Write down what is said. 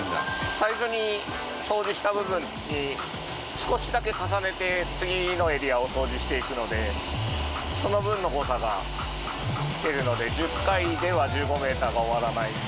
最初に掃除した部分に少しだけ重ねて次のエリアを掃除していくのでその分の誤差が出るので１０回では１５メーターが終わらないんで。